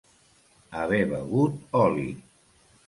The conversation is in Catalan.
Haver begut oli.